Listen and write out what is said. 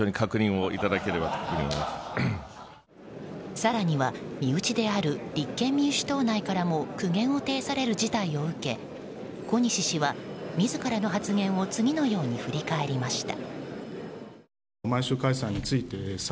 更には身内である立憲民主党内からも苦言を呈される事態を受け小西氏は、自らの発言を次のように振り返りました。